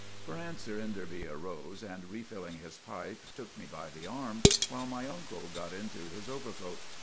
' For answer Enderby arose, and refilling his pipe took me by the arm, while my uncle got into his overcoat.